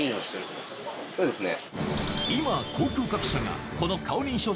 そうですね。